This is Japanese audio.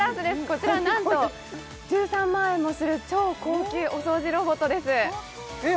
こちらなんと１３万円もする超高級お掃除ロボットですえっ